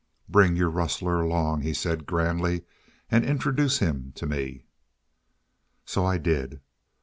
"Bring your Rustler along," he said grandly, "and introduce him to me." So I did.